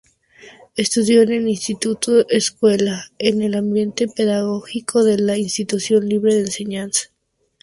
Estudió en el Instituto-Escuela, en el ambiente pedagógico de la Institución Libre de Enseñanza.